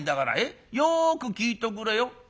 よく聞いとくれよ。